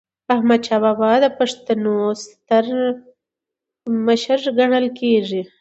احمدشاه بابا د پښتنو ستر مشر ګڼل کېږي.